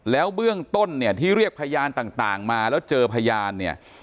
แล้วเบื้องต้นเนี่ยที่เรียกพยานต่างมาแล้วเจอพยานเนี่ย